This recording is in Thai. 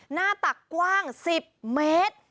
หน้าตักกว้าง๑๐เมตร